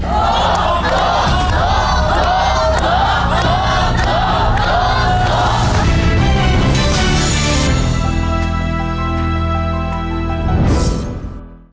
ตอบตอบตอบ